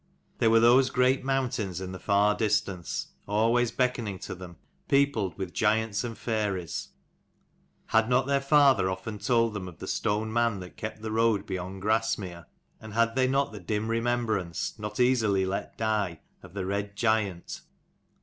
There were those great mountains in the far distance, always beckoning to them; peopled with giants and fairies, had not their father often told them of the stone man that kept the road beyond Grasmere ? and had they not the dim remembrance, not easily let die, of the red giant?